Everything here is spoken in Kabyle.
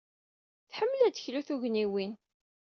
Tḥemmel ad d-teklu tugniwin.